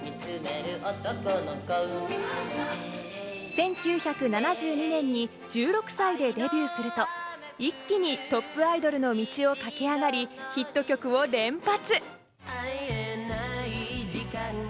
１９７２年に１６歳でデビューすると、一気にトップアイドルの道を駆け上がり、ヒット曲を連発！